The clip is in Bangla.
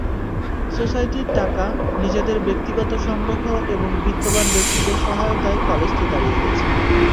সোসাইটির টাকা, নিজেদের ব্যক্তিগত সংগ্রহ এবং বিত্তবান ব্যক্তিদের সহায়তায় কলেজটি দাঁড়িয়ে গেছে।